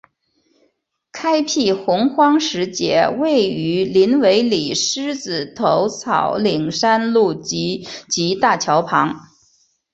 开辟鸿荒石碣位于林尾里狮仔头草岭山路集集大桥旁。